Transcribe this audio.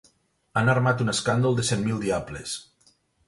Han armat un escàndol de cent mil diables!